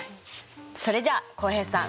それじゃあ浩平さん